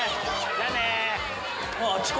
じゃあね。